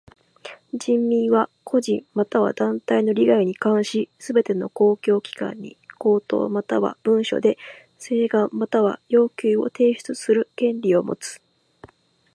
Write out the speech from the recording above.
人民は個人または団体の利害に関しすべての公共機関に口頭または文書で請願または要求を提出する権利をもつ。